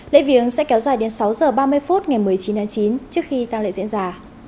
lễ viếng sẽ kéo dài đến sáu h ba mươi phút ngày một mươi chín tháng chín trước khi tăng lễ diễn ra